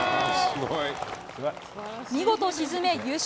見事沈め、優勝。